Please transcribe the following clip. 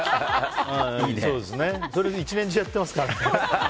それ、１年中やってますからね。